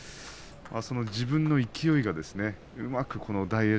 自分の勢いがうまく大栄